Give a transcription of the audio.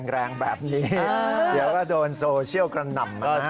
แรงแบบนี้เดี๋ยวก็โดนโซเชียลกระหน่ำนะฮะ